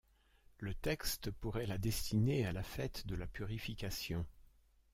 Le texte pourrait la destiner à la fête de la Purification.